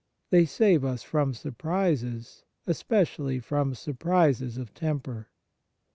They save us from surprises, especially from surprises of temper.